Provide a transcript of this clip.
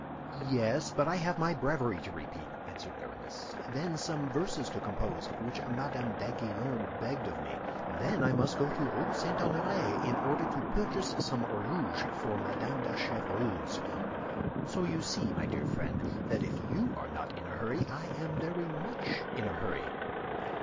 "Yes, but I have my breviary to repeat," answered Aramis; "then some verses to compose, which Madame d'Aiguillon begged of me. Then I must go to the Rue St. Honoré in order to purchase some rouge for Madame de Chevreuse. So you see, my dear friend, that if you are not in a hurry, I am very much in a hurry."